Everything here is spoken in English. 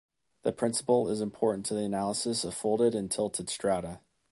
The principle is important to the analysis of folded and tilted strata.